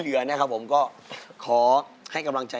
เป็นเรื่องราวของแม่นาคกับพี่ม่าครับ